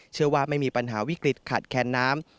เชื่อว่าไม่มีปัญหาวิกฤตขาดแคนน้ำ